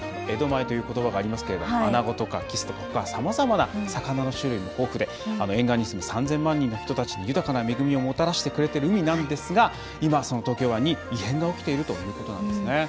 江戸前ということばがありますけどアナゴとかキスとかさまざまな魚の種類も豊富で沿岸に住む３０００万人の人たちに豊かな恵みをもたらしてくれている海なんですが今、その東京湾に異変が起きているということなんですね。